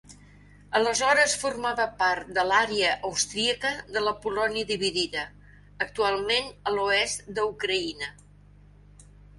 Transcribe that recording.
Aleshores formava part de l'àrea austríaca de la Polònia dividida, actualment a l'oest d'Ucraïna.